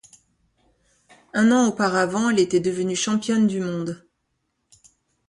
Un an auparavant, elle était devenue championne du monde.